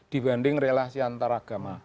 dibanding relasi antaragama